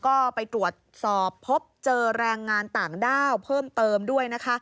ก็ไปตรวจสอบพบเจอแรงงานต่างด้าวเพิ่มเติมด้วยนะคะ